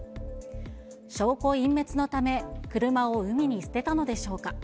証拠隠滅のため、車を海に捨てたのでしょうか。